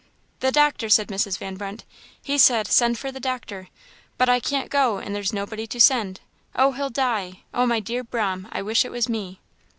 "The doctor!" said Mrs. Van Brunt "he said 'send for the doctor;' but I can't go, and there's nobody to send. Oh, he'll die! Oh, my dear 'Brahm! I wish it was me!"